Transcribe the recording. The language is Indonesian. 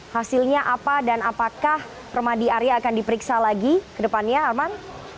hasilnya apa dan apakah permadi arya akan diperiksa lagi ke depannya arman